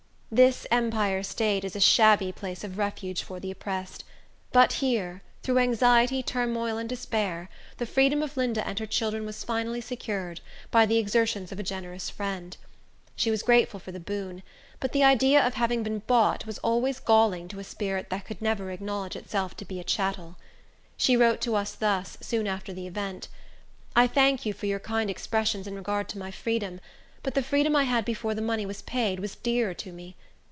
This Empire State is a shabby place of refuge for the oppressed; but here, through anxiety, turmoil, and despair, the freedom of Linda and her children was finally secured, by the exertions of a generous friend. She was grateful for the boon; but the idea of having been bought was always galling to a spirit that could never acknowledge itself to be a chattel. She wrote to us thus, soon after the event: "I thank you for your kind expressions in regard to my freedom; but the freedom I had before the money was paid was dearer to me.